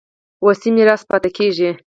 وصي میراث پاتې کېږي.